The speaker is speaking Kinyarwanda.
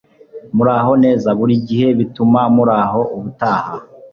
muraho neza buri gihe bituma muraho ubutaha